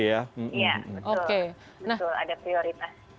iya betul ada prioritas